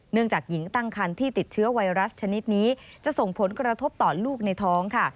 จากหญิงตั้งคันที่ติดเชื้อไวรัสชนิดนี้จะส่งผลกระทบต่อลูกในท้องค่ะ